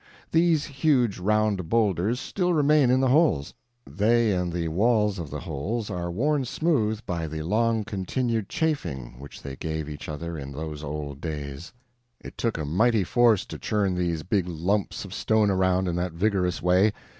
These huge round boulders still remain in the holes; they and the walls of the holes are worn smooth by the long continued chafing which they gave each other in those old days. It took a mighty force to churn these big lumps of stone around in that vigorous way.